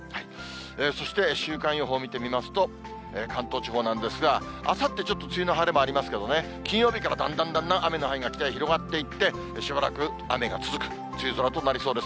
そして、週間予報を見てみますと、関東地方なんですが、あさって、ちょっと梅雨の晴れ間ありますけどね、金曜日からだんだんだんだん雨の範囲が北へ広がっていって、しばらく雨が続く、梅雨空となりそうです。